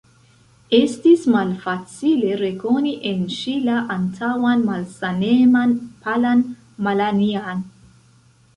Estis malfacile rekoni en ŝi la antaŭan malsaneman, palan Malanja'n.